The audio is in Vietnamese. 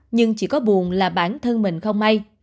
nhưng chỉ có buồn là bản thân mình không may